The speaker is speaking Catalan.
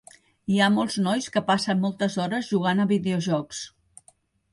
Hi ha molts nois que passen moltes hores jugant a videojocs.